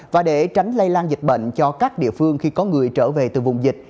và để tránh lây lan dịch bệnh cho các địa phương khi có người trở về từ vùng dịch